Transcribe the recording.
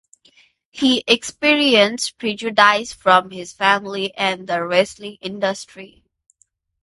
He experienced prejudice from his family and the wrestling industry.